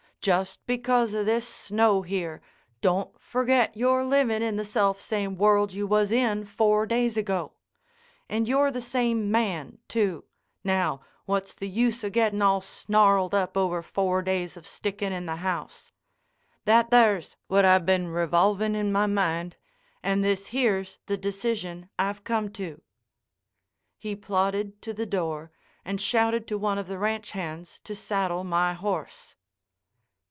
Just because o' this snow here, don't forget you're living in the selfsame world you was in four days ago. And you're the same man, too. Now, what's the use o' getting all snarled up over four days of stickin' in the house? That there's what I been revolvin' in my mind and this here's the decision I've come to." He plodded to the door and shouted to one of the ranch hands to saddle my horse.